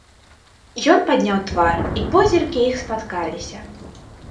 Ён падняў твар, і позіркі іх спаткаліся.